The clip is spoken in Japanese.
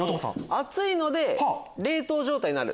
暑いので冷凍状態になる。